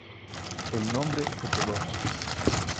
El nombre se quedó.